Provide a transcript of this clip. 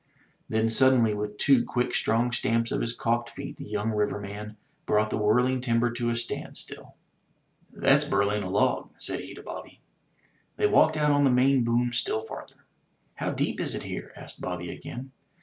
Then suddenly with two quick strong stamps of his caulked feet the young riverman brought the whirling timber to a standstill. *That*s birling a log," said he to Bobby. They walked out on the main boom still farther. "How deep is it here?" asked Bobby again.